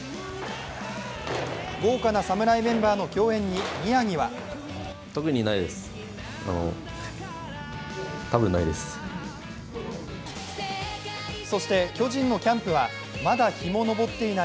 豪華な侍メンバーの共演に宮城はそして、巨人のキャンプはまだ日も昇っていない